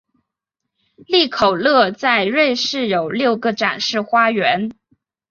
利口乐在瑞士有六个展示花园。